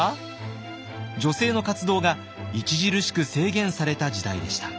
女性の活動が著しく制限された時代でした。